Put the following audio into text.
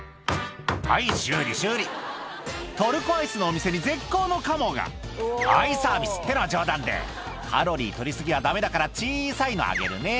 「はい修理修理」トルコアイスのお店に絶好のカモが「はいサービスってのは冗談でカロリー取り過ぎはダメだから小さいのあげるね」